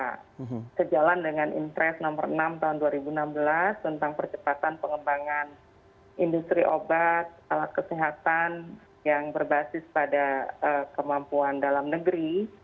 sejalan dengan inpres nomor enam tahun dua ribu enam belas tentang percepatan pengembangan industri obat alat kesehatan yang berbasis pada kemampuan dalam negeri